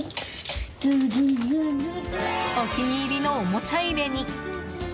お気に入りのおもちゃ入れに。